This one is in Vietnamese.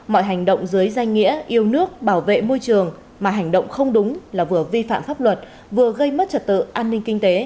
mọi hành động dưới danh nghĩa yêu nước bảo vệ môi trường mà hành động không đúng là vừa vi phạm pháp luật vừa gây mất trật tự an ninh kinh tế